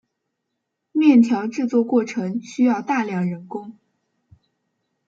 面条制作过程需要大量人工。